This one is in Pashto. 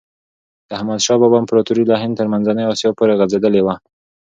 د احمد شاه بابا امپراتوري له هند تر منځنۍ آسیا پورې غځېدلي وه.